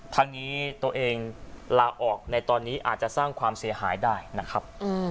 ทั้งนี้ตัวเองลาออกในตอนนี้อาจจะสร้างความเสียหายได้นะครับ